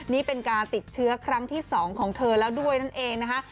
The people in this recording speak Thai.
นี่เป็นการติดเชื้อครั้งที่๒ของเธอแล้วด้วยนั่นเองนะคะ